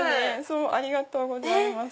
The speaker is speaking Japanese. ありがとうございます。